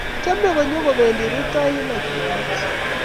Chamei konyun kopendi rutoi kila Chumamos